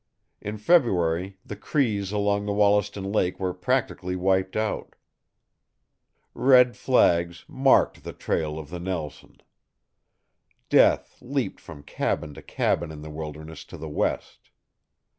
In February, the Crees along Wollaston Lake were practically wiped out. Red flags marked the trail of the Nelson. Death leaped from cabin to cabin in the wilderness to the west.